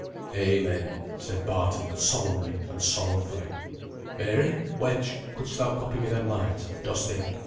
"Amen!" said Barton, solemnly, and sorrowfully. "Mary! wench, couldst thou copy me them lines, dost think?